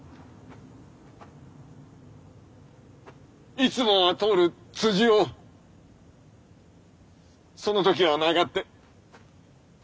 いつもは通る辻をその時は曲がって。